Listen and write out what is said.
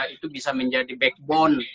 itu bisa menjadi backbone